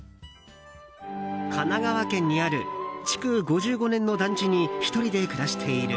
神奈川県にある築５５年の団地に１人で暮らしている。